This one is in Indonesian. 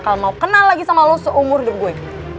kalau mau kenal lagi sama lu seumur hidup gue